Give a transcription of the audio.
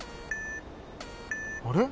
あれ？